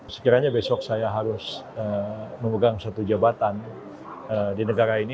sekiranya besok saya harus memegang satu jabatan di negara ini